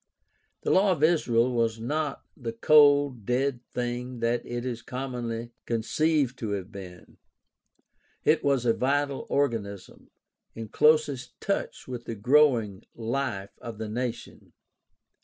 The law of Israel was not the cold, dead thing that it is so commonly conceived to have been ; it was a vital organism, in closest touch with the growing life of the nation.